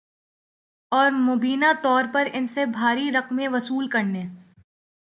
اور مبینہ طور پر ان سے بھاری رقمیں وصول کرنے